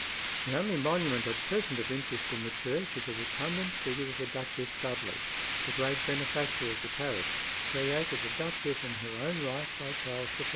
The only monument at present of interest in the church is a recumbent figure of the Duchess Dudley, the great benefactor of the parish, created a duchess in her own right by Charles I.